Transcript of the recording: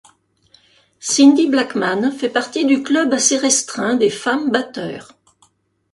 Cindy Blackman fait partie du club assez restreint des femmes batteurs.